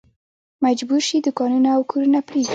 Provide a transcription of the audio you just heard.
مجبور شي دوکانونه او کورونه پرېږدي.